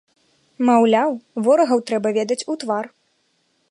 Маўляў, ворагаў трэба ведаць у твар!